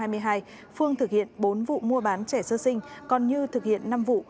phương thực hiện bốn vụ mua bán trẻ sơ sinh còn như thực hiện năm vụ